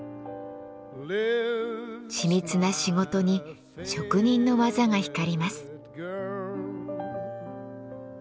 緻密な仕事に職人の技が光ります。